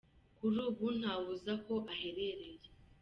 Kuri ubu nta we uzi aho aherereye.